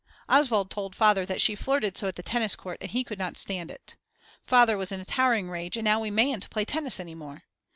Oswald told Father that she flirted so at the tennis court and he could not stand it. Father was in a towering rage and now we mayn't play tennis any more.